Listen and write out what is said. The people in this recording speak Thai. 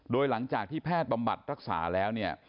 โดยหลังจากที่แพทย์บำบัดรักษาแล้วเนี่ย